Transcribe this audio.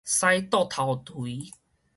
使倒頭槌